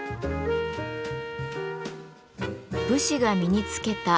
武士が身に着けた「大鎧」。